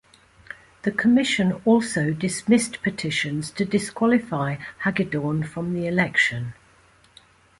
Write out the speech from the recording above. The commission also dismissed petitions to disqualify Hagedorn from the election.